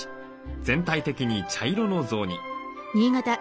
全体的に茶色の雑煮。